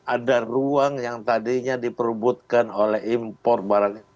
ada ruang yang tadinya diperubutkan oleh impor barang